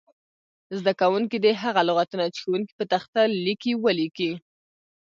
زده کوونکي دې هغه لغتونه چې ښوونکی په تخته لیکي ولیکي.